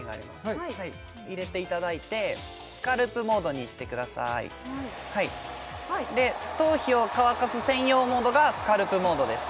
はい入れていただいてスカルプモードにしてくださーいはいで頭皮を乾かす専用モードがスカルプモードです